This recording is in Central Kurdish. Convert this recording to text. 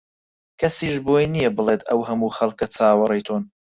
کەسیش بۆی نییە بڵێت ئەو هەموو خەڵکە چاوەڕێی تۆن